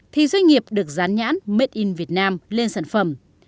thì doanh nghiệp được dán nhãn made in vietnam lên sản phẩm